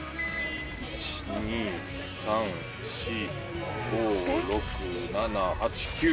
１・２・３・４・５６・７・８・９。